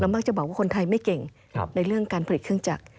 มักจะบอกว่าคนไทยไม่เก่งในเรื่องการผลิตเครื่องจักร